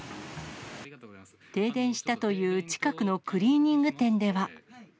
停電したという近くのクリーニング店では。